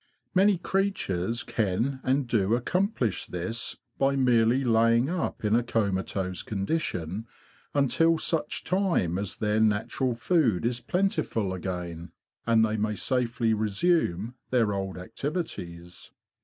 Many creatures can and do accomplish this by merely laying up in a comatose condition until such time as their natural food is plentiful again, and they may safely resume their old activities.